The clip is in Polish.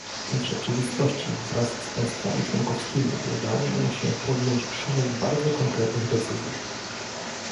W rzeczywistości wraz z państwami członkowskimi udało nam się podjąć szereg bardzo konkretnych decyzji